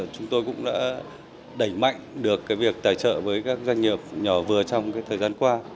chúng tôi cũng đã đẩy mạnh được việc tài trợ với các doanh nghiệp nhỏ vừa trong thời gian qua